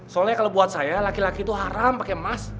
soalnya kalau buat saya laki laki itu haram pakai emas